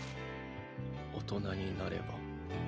大人になれば。